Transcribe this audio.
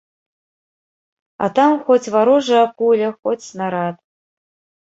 А там хоць варожая куля, хоць снарад.